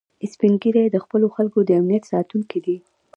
سپین ږیری د خپلو خلکو د امنیت ساتونکي دي